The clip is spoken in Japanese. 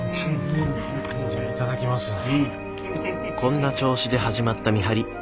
こんな調子で始まった見張り。